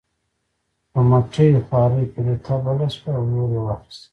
په مټې خوارۍ پلته بله شوه او اور یې واخیست.